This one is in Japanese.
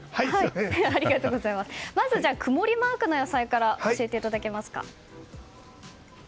まず、曇りマークの野菜から教えていただけますか。